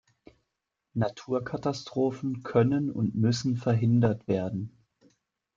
Naturkatastrophen können und müssen verhindert werden.